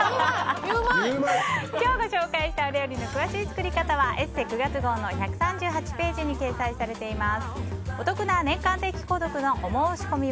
今日ご紹介した料理の詳しい作り方は「ＥＳＳＥ」９月号の１３８ページに掲載されています。